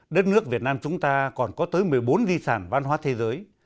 đất nước việt nam chúng ta còn có tới một mươi bốn di sản văn hóa thế giới